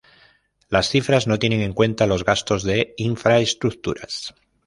Las cifras no tienen en cuenta los gastos de infraestructuras.